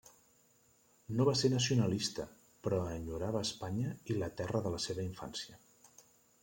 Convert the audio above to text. No va ser nacionalista, però enyorava Espanya i la terra de la seva infància.